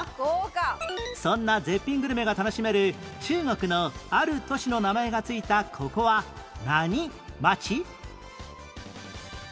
そんな絶品グルメが楽しめる中国のある都市の名前が付いたここは何町？